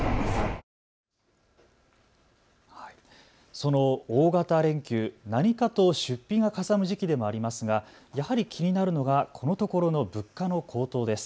その大型連休、何かと出費がかさむ時期でもありますがやはり気になるのがこのところの物価の高騰です。